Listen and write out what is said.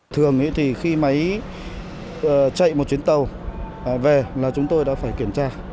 thường thì khi máy chạy một chuyến tàu về là chúng tôi đã phải kiểm tra